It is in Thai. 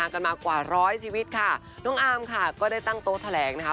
กันมากว่าร้อยชีวิตค่ะน้องอาร์มค่ะก็ได้ตั้งโต๊ะแถลงนะคะ